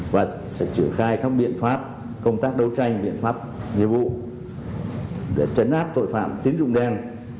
và sẽ triển khai các biện pháp công tác đấu tranh biện pháp nghiệp vụ để chấn áp tội phạm tín dụng đen